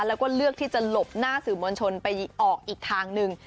แล้วก็เลือกที่จะหลบหน้าสื่อมวลชนไปออกอีกทางหนึ่ง